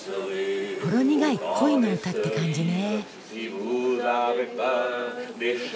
ほろ苦い恋の歌って感じね。